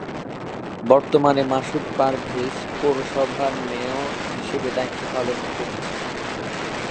বর্তমানে মাসুদ পারভেজ পৌরসভার মেয়র হিসেবে দায়িত্ব পালন করছেন।